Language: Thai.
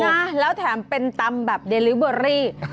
นะแล้วแถมเป็นตำแบบเดลิเบอรี่